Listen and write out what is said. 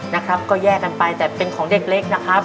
นะครับก็แยกกันไปแต่เป็นของเด็กเล็กนะครับ